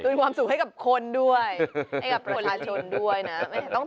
ความสุขให้กับคนด้วยให้กับประชาชนด้วยนะ